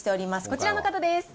こちらの方です。